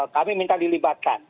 kami minta dilibatkan